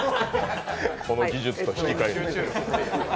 この技術と引き換えに。